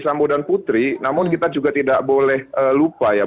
samudan putri namun kita juga tidak boleh lupa ya